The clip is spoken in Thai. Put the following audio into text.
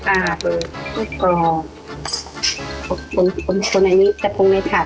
อ่ะแล้วก็อบอันนี้จะพงในถาด